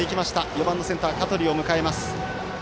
４番のセンター、香取を迎えます。